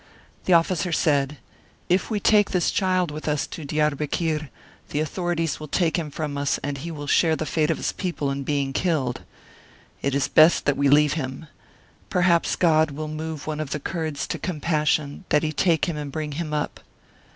The officer said :" If we take this child with us to Diarbekir, the authorities will take him from us, and he will share the fate of his people in being killed. It is best that we leave him. Perhaps God will move one of the Kurds to compassion, that he take him and bring him up."